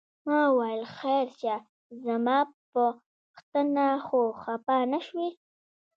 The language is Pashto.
ما وویل خیر شه زما په پوښتنه خو خپه نه شوې؟